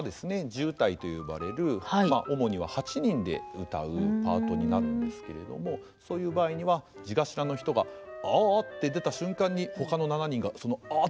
地謡と呼ばれる主には８人で謡うパートになるんですけれどもそういう場合には地頭の人が「ああ」って出た瞬間にほかの７人がその「ああ」って音に合わせて謡ってるんですよね。